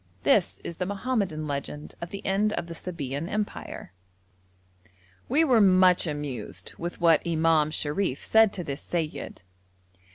This is the Mohammedan legend of the end of the Sabæan Empire. We were much amused with what Imam Sharif said to this seyyid.